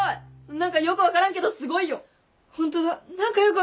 何かよく分からんけどすごい。